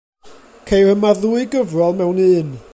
Ceir yma ddwy gyfrol mewn un.